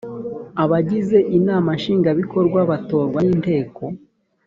abagize inama nshingwabikorwa batorwa n’inteko